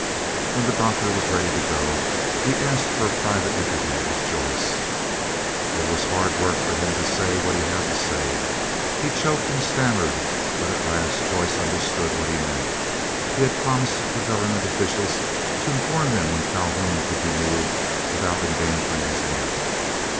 When the Doctor was ready to go, he asked for a private interview with Joyce. It was hard work for him to say what he had to say. He choked and stammered, but at last Joyce understood what he meant. He had promised the government officials to inform them when Calhoun could be moved without endangering his life.